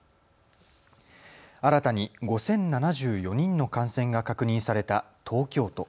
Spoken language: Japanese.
新たに５０７４人の感染が確認された東京都。